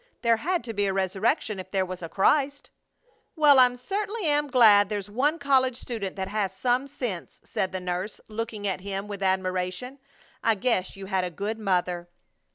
There had to be a resurrection if there was a Christ!" "Well, I certainly am glad there's one college student that has some sense!" said the nurse, looking at him with admiration. "I guess you had a good mother."